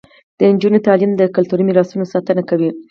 د نجونو تعلیم د کلتوري میراثونو ساتنه کوي.